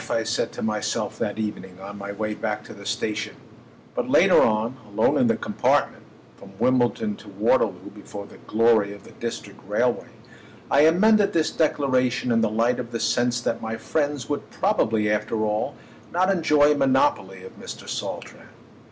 I said to myself that evening on my way back to the station; but later on, alone in the compartment (from Wimbledon to Waterloo, before the glory of the District Railway) I amended this declaration in the light of the sense that my friends would probably after all not enjoy a monopoly of Mr. Saltram.